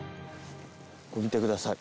見てください。